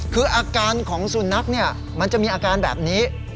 คืออาการของสุนัขเนี่ยมันจะมีอาการแบบนี้